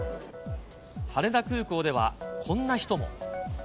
羽田空港では、こんな人も。